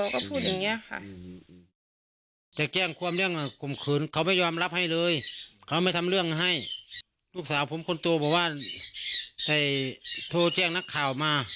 ก็พูดอย่างเนี้ยค่ะ